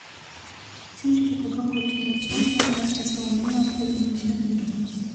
Բացի իր գիտական գործունեությունից, նա նաև դասավանդում է աստղագիտություն։